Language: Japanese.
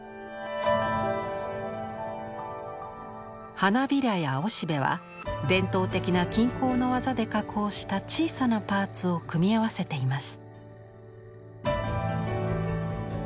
花びらや雄しべは伝統的な金工の技で加工した小さなパーツを組み合わせています。